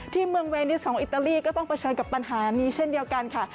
ที่เมืองเวนิสของอิตาลีก็ต้องเผชิญกับปัญหานี้เช่นเดียวกันค่ะ